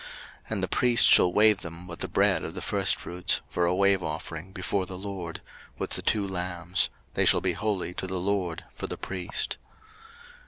03:023:020 And the priest shall wave them with the bread of the firstfruits for a wave offering before the LORD, with the two lambs: they shall be holy to the LORD for the priest.